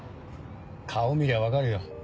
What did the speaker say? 顔見りゃ分かるよ。